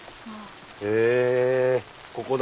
へえここだ。